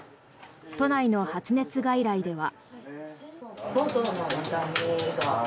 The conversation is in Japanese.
都内の発熱外来では。